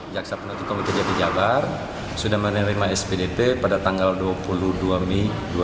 jaksa penutup komited jati jabar sudah menerima spdp pada tanggal dua puluh dua mei dua ribu dua puluh